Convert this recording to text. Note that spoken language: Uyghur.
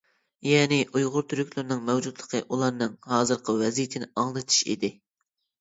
يەنى ئۇيغۇر تۈركلىرىنىڭ مەۋجۇتلۇقى، ئۇلارنىڭ ھازىرقى ۋەزىيىتىنى ئاڭلىتىش ئىدى.